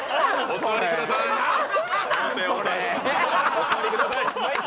お座りください